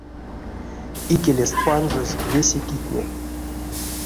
Икелест панжозь весе китне.